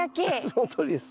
そのとおりです。